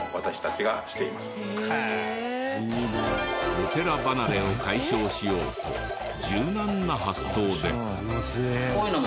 お寺離れを解消しようと柔軟な発想で。